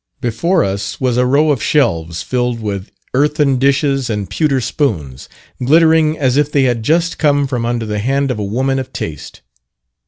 Before us was a row of shelves filled with earthen dishes and pewter spoons, glittering as if they had just come from under the hand of a woman of taste.